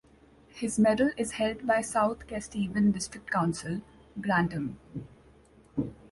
His medal is held by South Kesteven District Council, Grantham.